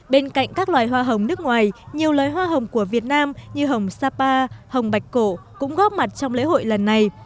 bên cạnh các loài hoa hồng nước ngoài nhiều loài hoa hồng của việt nam như hồng sapa hồng bạch cổ cũng góp mặt trong lễ hội lần này